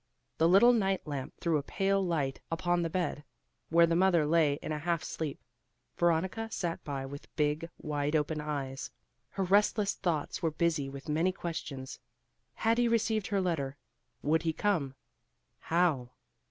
The little night lamp threw a pale light upon the bed, where the mother lay in a half sleep. Veronica sat by with big wide open eyes. Her restless thoughts were busy with many questions. Had he received her letter? Would he come? How?